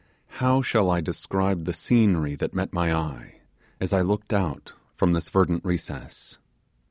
How shall I describe the scenery that met my eye, as I looked out from this verdant recess!